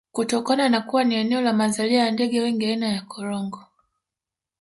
Kutokana na kuwa ni eneo la mazalia ya ndege wengi aina ya Korongo